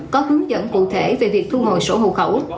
có hướng dẫn cụ thể về việc thu hồi sổ hộ khẩu